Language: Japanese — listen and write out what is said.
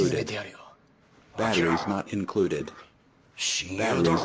親友だろ。